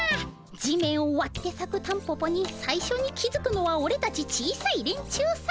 地面をわってさくタンポポにさいしょに気づくのはオレたち小さい連中さ。